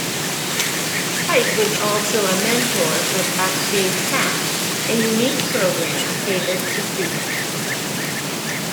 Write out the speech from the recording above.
Pyke was also a mentor for Backstage Pass, a unique program catered for students.